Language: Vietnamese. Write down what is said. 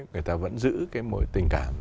người ta vẫn giữ cái mối tình cảm